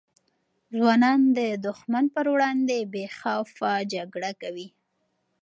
ځوانان د دښمن پر وړاندې بې خوف جګړه کوي.